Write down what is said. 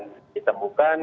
dan siapa yang ditemukan